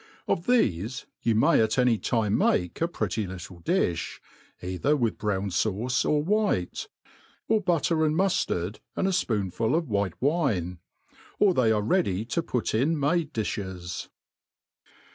Of thefe you may at any time make a pretty little difli^ eitheif tvith brown faucepr white ; or butter and muftard and a fpoon ^ ful of white wine I or they are ready to put in made di(bea.